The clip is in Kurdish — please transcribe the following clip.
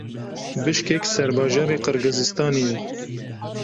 Bişkek serbajarê Qirgizistanê ye.